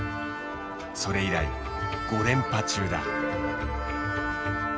それ以来５連覇中だ。